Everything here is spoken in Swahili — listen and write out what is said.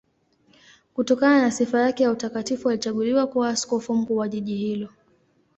Kutokana na sifa yake ya utakatifu alichaguliwa kuwa askofu mkuu wa jiji hilo.